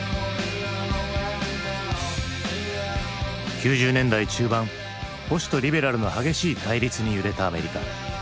９０年代中盤保守とリベラルの激しい対立に揺れたアメリカ。